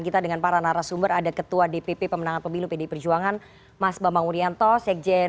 kita dengan para narasumber ada ketua dpp pemenangan pemilu pdi perjuangan mas bambang wuryanto sekjen